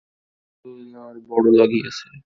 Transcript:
কে জানে, করুণার বড়ো লাগিয়াছে।